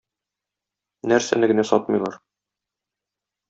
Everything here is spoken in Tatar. Нәрсәне генә сатмыйлар!